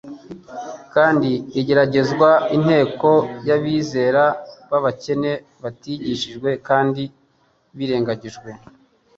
kandi igeragezwa. Inteko y'abizera b'abakene batigishijwe kandi birengagijwe,